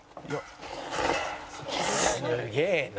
「すげえな」